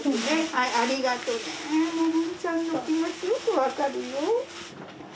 ありがとね文ちゃんの気持ちよく分かるよ。